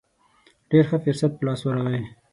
ډېر ښه فرصت په لاس ورغی.